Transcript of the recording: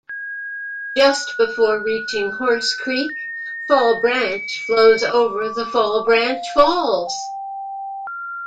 Just before reaching Horse Creek, Fall Branch flows over the Fall Branch Falls.